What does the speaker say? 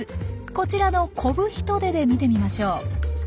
こちらのコブヒトデで見てみましょう。